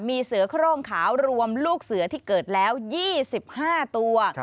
มีเสือโครงขาวรวมลูกเสือที่เกิดแล้ว๒๕ตัว